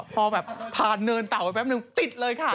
พอแบบผ่านเนินเต่าไปแป๊บนึงติดเลยค่ะ